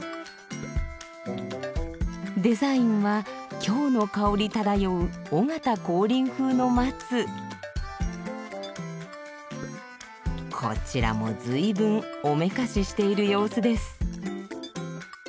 デザインは京の香り漂うこちらもずいぶんおめかししている様子です。